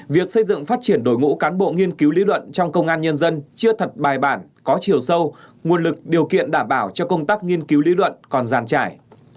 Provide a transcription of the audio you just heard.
việc xây dựng phát triển đội ngũ cán bộ nghiên cứu lý luận trong công an nhân dân chưa thật bài bản có chiều sâu nguồn lực điều kiện đảm bảo cho công tác nghiên cứu lý luận còn gian trải